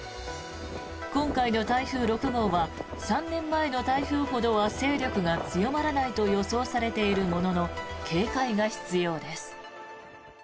今回の台風６号は３年前の台風ほどは勢力が強まらないと予想されているものの警戒が必要です。